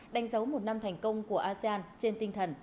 đánh dấu một năm thành công của asean trên tinh thần